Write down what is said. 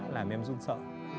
làm em run sợ